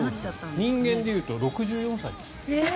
人間でいうと６５歳ですって。